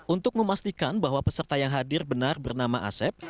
untuk memastikan bahwa peserta yang hadir benar bernama asep